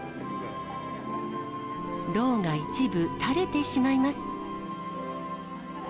ろうが一部たれてしまいます。